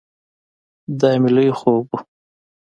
دا مې لوی خوب ؤ